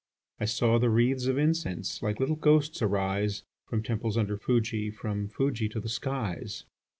I saw the wreathes of incense Like little ghosts arise, From temples under Fuji, From Fuji to the skies.